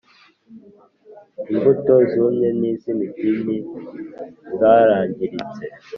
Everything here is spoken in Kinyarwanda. Imbuto zumye z imitini zarangiritse